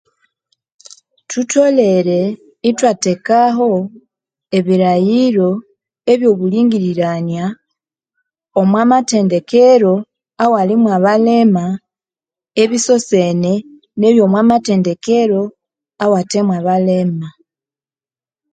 Thutholere ithwathekaho ebilhaghiro ebyo obulingirirania omwa mathendekero awalimo abalema ebisosene nebyomwa mathendekero awathemo abalema.